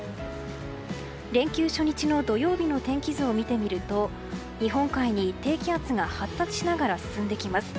連休初日の土曜日の天気図を見てみると日本海に低気圧が発達しながら進んできます。